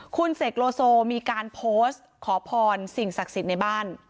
คุณเสกโลโซมีการโพสต์ขอพรสิ่งศักดิ์สิทธิ์ในบ้าน